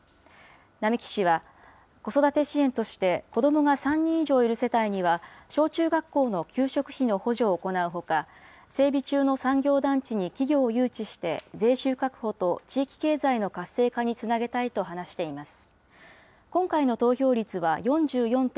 並木氏は、子育て支援として子どもが３人以上いる世帯には、小中学校の給食費の補助を行うほか、整備中の産業団地に企業を誘致して、税収確保と地域経済の活性化につなげたいと話しています。